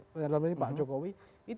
yang di dalam ini pak jokowi